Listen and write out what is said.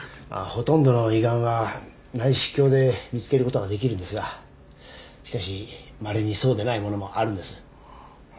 ほとんどの胃がんは内視鏡で見つけることができるんですがしかしまれにそうでないものもあるんです。